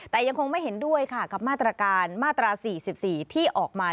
แต่ยังคงไม่เห็นด้วยค่ะกับมาตรการมาตรา๔๔ที่ออกมา